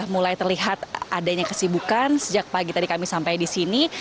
mulai terlihat adanya kesibukan sejak pagi tadi kami sampai di sini